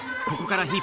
ここから